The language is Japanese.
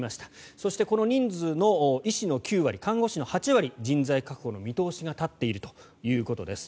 そして、この人数の医師の９割看護師の８割人材確保の見通しが立っているということです。